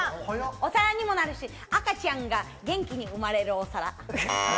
お皿にもなるし、赤ちゃんが元気に産まれるお皿。